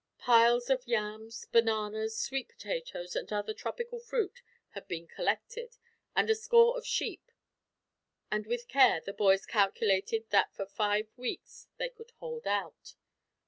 Piles of yams, bananas, sweet potatoes, and other tropical fruit had been collected, and a score of sheep; and with care, the boys calculated that for five weeks they could hold out.